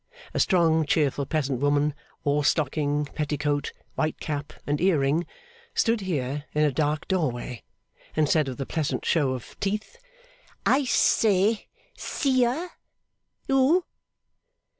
A strong cheerful peasant woman, all stocking, petticoat, white cap, and ear ring, stood here in a dark doorway, and said with a pleasant show of teeth, 'Ice say! Seer! Who?